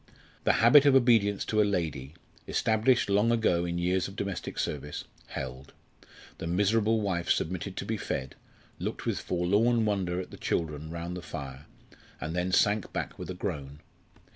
The habit of obedience to a "lady," established long ago in years of domestic service, held. The miserable wife submitted to be fed, looked with forlorn wonder at the children round the fire, and then sank back with a groan.